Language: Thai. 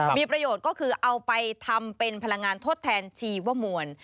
มีประโยชน์ก็คือเอาไปทำเป็นพลังงานทดแทนชีวมวล